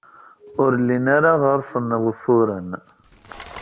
Ur llin ara ɣer-sen wufuren.